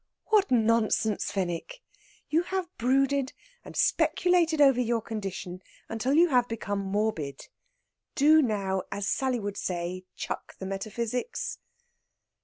"What nonsense, Fenwick! You have brooded and speculated over your condition until you have become morbid. Do now, as Sally would say, chuck the metaphysics."